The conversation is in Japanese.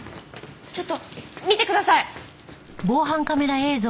ちょっと見てください。